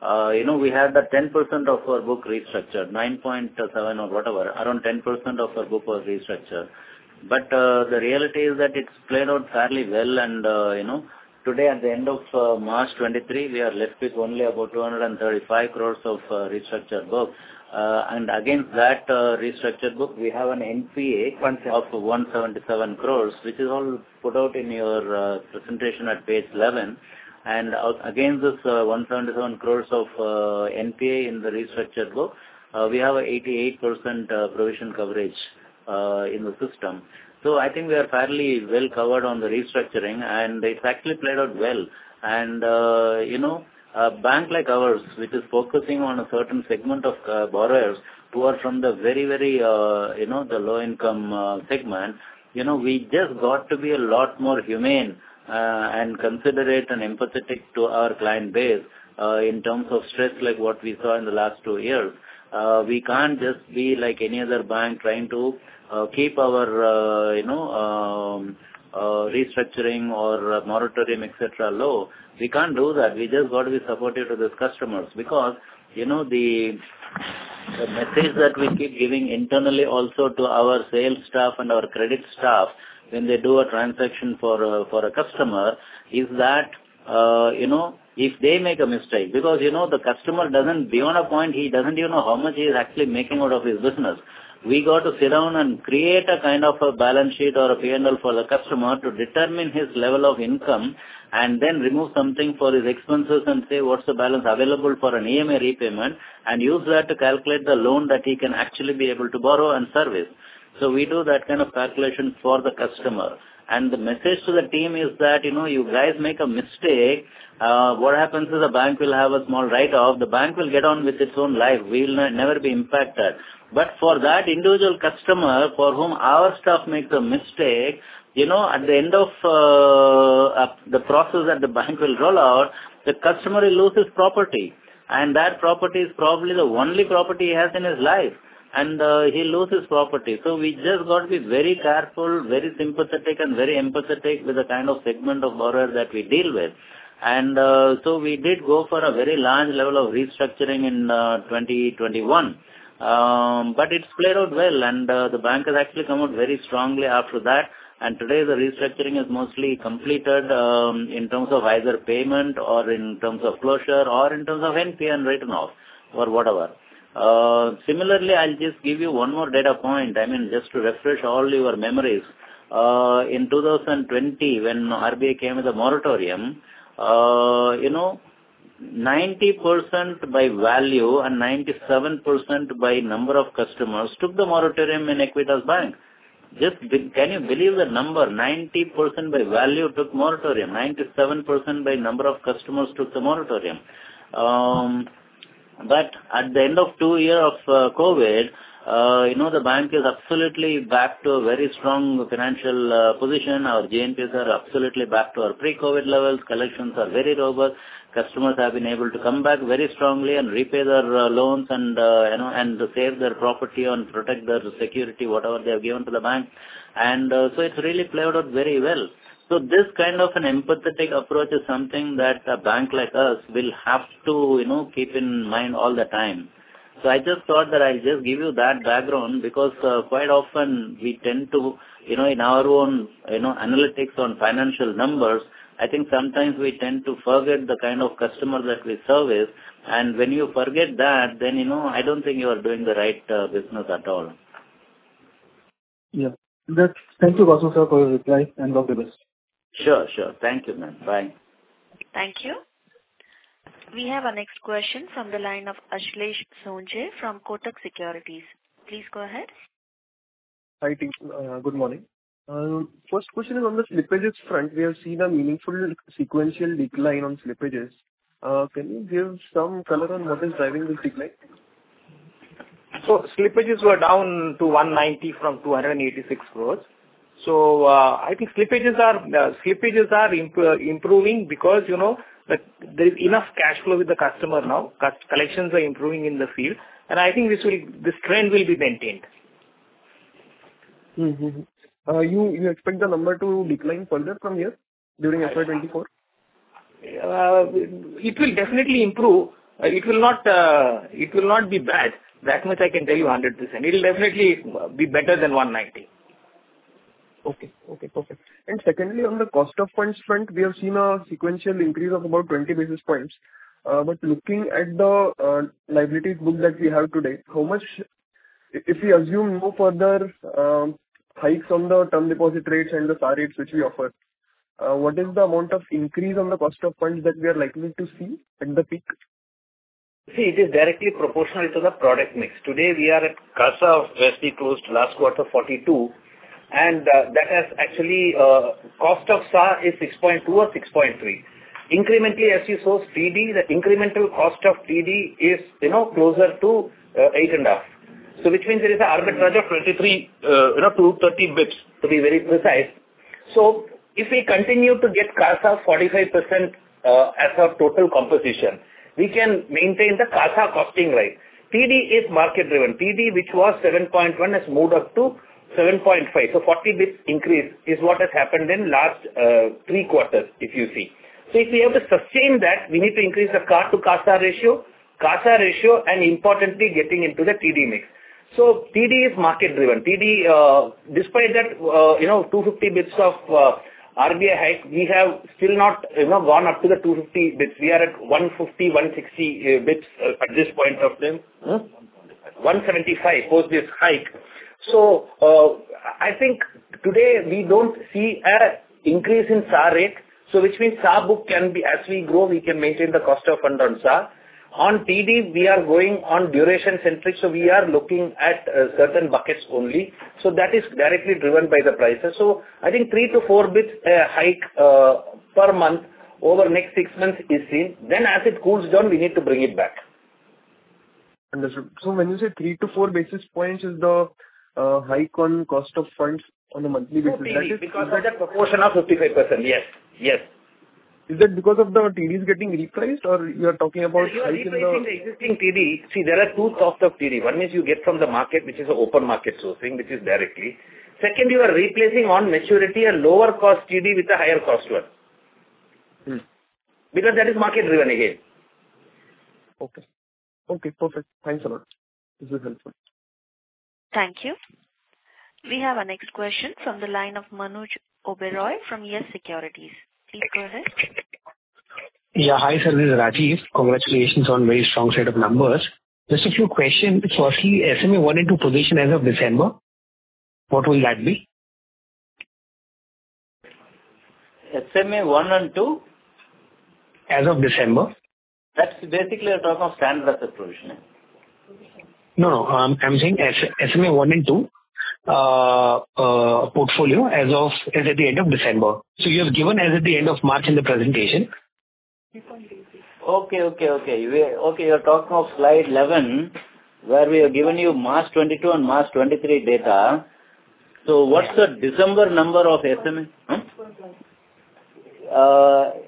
You know, we had that 10% of our book restructured, 9.7% or whatever, around 10% of our book was restructured. But the reality is that it's played out fairly well, and you know, today, at the end of March 2023, we are left with only about 235 crore of restructured book. And against that restructured book, we have an NPA of 177 crore, which is all put out in your presentation at page 11. And against this, 177 crores of NPA in the restructured book, we have 88% provision coverage in the system. So I think we are fairly well covered on the restructuring, and it's actually played out well. And, you know, a bank like ours, which is focusing on a certain segment of borrowers who are from the very, very, you know, the low-income segment, you know, we just got to be a lot more humane, and considerate and empathetic to our client base, in terms of stress, like what we saw in the last two years. We can't just be like any other bank trying to keep our, you know, restructuring or moratorium, et cetera, low. We can't do that. We just got to be supportive to these customers because, you know, the message that we keep giving internally also to our sales staff and our credit staff when they do a transaction for a customer is that, you know, if they make a mistake. Because, you know, the customer doesn't, beyond a point, he doesn't even know how much he is actually making out of his business. We got to sit down and create a kind of a balance sheet or a P&L for the customer to determine his level of income, and then remove something for his expenses and say, "What's the balance available for an EMI repayment?" And use that to calculate the loan that he can actually be able to borrow and service. So we do that kind of calculation for the customer. The message to the team is that, you know, you guys make a mistake, what happens is the bank will have a small write-off. The bank will get on with its own life. We'll never be impacted. But for that individual customer for whom our staff makes a mistake, you know, at the end of the process that the bank will roll out, the customer will lose his property, and that property is probably the only property he has in his life, and he'll lose his property. So we just got to be very careful, very sympathetic, and very empathetic with the kind of segment of borrowers that we deal with. And, so we did go for a very large level of restructuring in 2021, but it's played out well, and the bank has actually come out very strongly after that. And today, the restructuring is mostly completed, in terms of either payment or in terms of closure or in terms of NPA and written off or whatever. Similarly, I'll just give you one more data point, I mean, just to refresh all your memories.... in 2020, when RBI came with a moratorium, you know, 90% by value and 97% by number of customers took the moratorium in Equitas Bank. Just can you believe that number? 90% by value took moratorium. 97% by number of customers took the moratorium. But at the end of 2 years of COVID, you know, the bank is absolutely back to a very strong financial position. Our GNPA are absolutely back to our pre-COVID levels. Collections are very robust. Customers have been able to come back very strongly and repay their loans and, you know, and save their property and protect their security, whatever they have given to the bank. And so it's really played out very well. So this kind of an empathetic approach is something that a bank like us will have to, you know, keep in mind all the time. So I just thought that I'll just give you that background, because, quite often we tend to, you know, in our own, you know, analytics on financial numbers, I think sometimes we tend to forget the kind of customer that we service. And when you forget that, then, you know, I don't think you are doing the right, business at all. Yeah. Thank you, Vasu, sir, for your reply, and all the best. Sure, sure. Thank you, ma'am. Bye. Thank you. We have our next question from the line of Ashlesh Sonje from Kotak Securities. Please go ahead. Hi, team, good morning. First question is on the slippages front. We have seen a meaningful sequential decline on slippages. Can you give some color on what is driving this decline? So slippages were down to 190 crores from 286 crores. So, I think slippages are improving because, you know, there's enough cash flow with the customer now. Collections are improving in the field, and I think this trend will be maintained. Mm-hmm. You expect the number to decline further from here during FY 2024? It will definitely improve. It will not, it will not be bad. That much I can tell you 100%. It'll definitely be better than 190. Okay, okay, perfect. And secondly, on the cost of funds front, we have seen a sequential increase of about 20 basis points. But looking at the liabilities book that we have today, how much... If we assume no further hikes on the term deposit rates and the SA rates which we offer, what is the amount of increase on the cost of funds that we are likely to see at the peak? See, it is directly proportional to the product mix. Today, we are at CASA ofas we closed last quarter, 42, and that has actually cost of SA is 6.2 or 6.3. Incrementally, as you source TD, the incremental cost of TD is, you know, closer to 8.5. So which means there is an arbitrage of 23, you know, 230 bits, to be very precise. So if we continue to get CASA 45%, as our total composition, we can maintain the CASA costing rate. TD is market-driven. TD, which was 7.1, has moved up to 7.5. So 40 bits increase is what has happened in last 3 quarters if you see. So if we have to sustain that, we need to increase the CASA to CASA ratio, CASA ratio, and importantly, getting into the TD mix. So TD is market-driven. TD, despite that, you know, 250 bits of RBI hike, we have still not, you know, gone up to the 250 bits. We are at 150, 160 bits at this point of time. Mm-hmm? One seventy-five. 175 post this hike. So, I think today we don't see an increase in SA rate, so which means SA book can be, as we grow, we can maintain the cost of fund on SA. On TD, we are going on duration centric, so we are looking at certain buckets only. So that is directly driven by the prices. So I think 3-4 bps hike per month over the next six months is seen. Then, as it cools down, we need to bring it back. Understood. So when you say 3-4 basis points is the hike on cost of funds on a monthly basis, that is- For TD, because that's a proportion of 55%. Yes, yes. Is that because of the TDs getting repriced, or you are talking about hike in the- If you are replacing the existing TD... See, there are two costs of TD. One is you get from the market, which is an open market sourcing, which is directly. Second, you are replacing, on maturity, a lower cost TD with a higher cost one. Hmm. Because that is market-driven again. Okay. Okay, perfect. Thanks a lot. This is helpful. Thank you. We have our next question from the line of Manoj Oberoi from Yes Securities. Please go ahead. Yeah. Hi, sir, this is Rajiv. Congratulations on very strong set of numbers. Just a few questions. Firstly, SMA one and two position as of December, what will that be? SMA one and two? As of December. That's basically a talk of standard asset provision. No, no. I'm saying SMA one and two, portfolio as at the end of December. So you have given as at the end of March in the presentation. Okay, okay, okay. Okay, you're talking of slide 11, where we have given you March 2022 and March 2023 data. So what's the December number of SMA? Hmm?...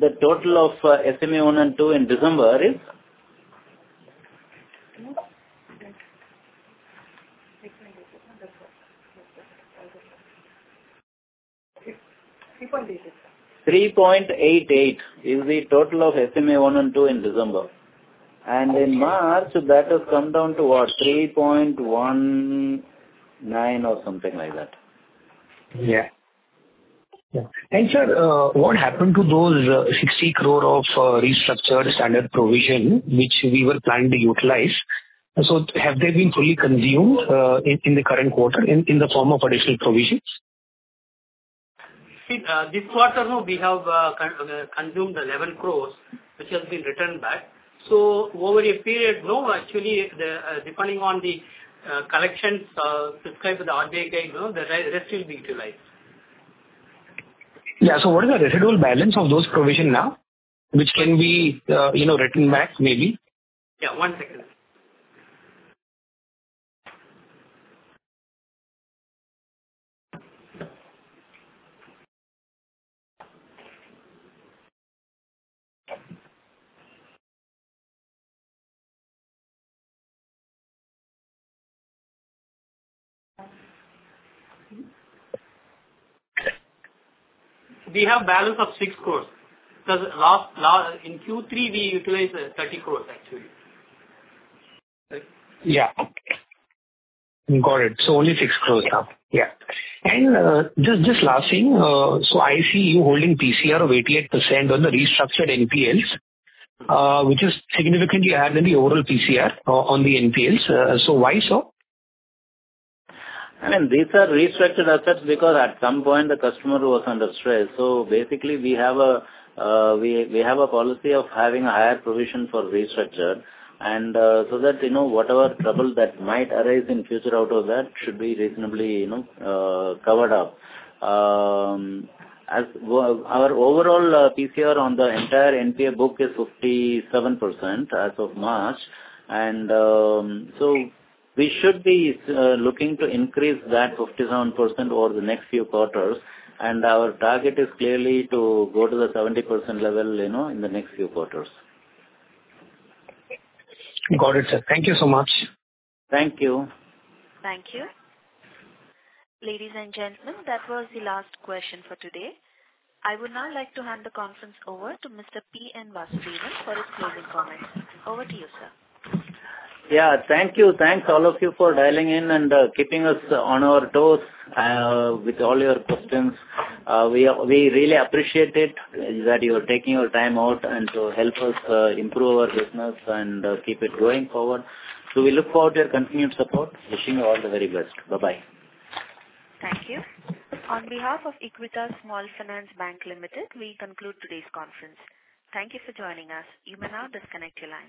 The total of SMA 1 and 2 in December is? 3.88. 3.88 is the total of SMA 1 and 2 in December. Okay. In March, that has come down to what? 3.19 or something like that. Sir, what happened to those 60 crore of restructured standard provision, which we were planning to utilize? Have they been fully consumed in the current quarter in the form of additional provisions? This quarter, we have consumed 11 crore, which has been returned back. So over a period, actually, depending on the collections, subscribed to the RBI guide, you know, the rest will be utilized. Yeah. So what is the residual balance of those provisions now, which can be, you know, written back, maybe? Yeah, one second. We have balance of 6 crore. Because last, in Q3, we utilized 30 crore, actually. Yeah. Got it. So only 6 crore now. Yeah. Yeah. And just last thing, so I see you holding PCR of 88% on the restructured NPLs, which is significantly higher than the overall PCR on the NPLs. So why so? I mean, these are restructured assets because at some point the customer was under stress. So basically, we have a policy of having a higher provision for restructure. And, so that, you know, whatever trouble that might arise in future out of that should be reasonably, you know, covered up. As well, our overall PCR on the entire NPA book is 57% as of March. And, so we should be looking to increase that 57% over the next few quarters, and our target is clearly to go to the 70% level, you know, in the next few quarters. Got it, sir. Thank you so much. Thank you. Thank you. Ladies and gentlemen, that was the last question for today. I would now like to hand the conference over to Mr. P. N. Vasudevan for his closing comments. Over to you, sir. Yeah, thank you. Thanks, all of you, for dialing in and keeping us on our toes with all your questions. We really appreciate it, that you are taking your time out and to help us improve our business and keep it going forward. So we look forward to your continued support. Wishing you all the very best. Bye-bye. Thank you. On behalf of Equitas Small Finance Bank Limited, we conclude today's conference. Thank you for joining us. You may now disconnect your line.